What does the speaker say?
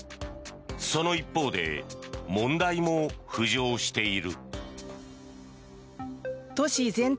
その一方で問題も浮上している。